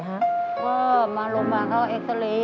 พ่อมาโรงพยาบาลเขาเอ็กซ์เรย์